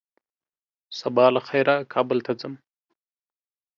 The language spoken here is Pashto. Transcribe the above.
سبا له خيره کابل ته ځم